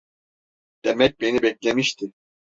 Demek beni beklemişti.